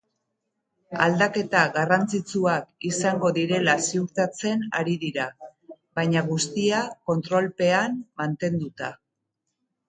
Aldaketa garrantzitsuak izango direla ziurtatzen ari dira, baina guztia kontrolpean mantenduta.